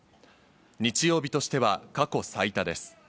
日曜日としては過去最多です。